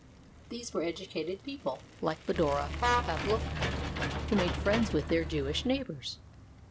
These were educated people, like Fedora Pavlovna, who made friends with their Jewish neighbors.